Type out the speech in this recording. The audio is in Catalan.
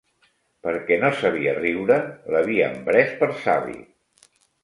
Perquè no sabia riure, l'havien pres per savi;